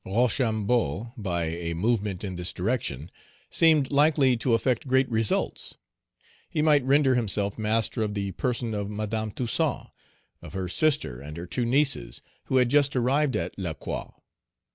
Rochambeau, by a movement in this direction, seemed likely to effect great results. He might render himself master of the person of Madame Toussaint, of her sister and her two nieces, who had just arrived at Lacroix.